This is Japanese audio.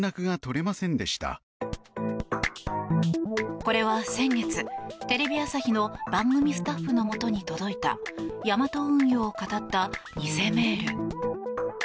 これは先月、テレビ朝日の番組スタッフのもとに届いたヤマト運輸をかたった偽メール。